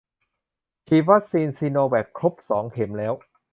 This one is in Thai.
ฉีดวัคซีนซิโนแวคครบสองเข็มแล้ว